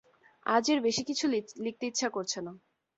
আজ এর বেশি কিছু লিখতে ইচ্ছে করছে না।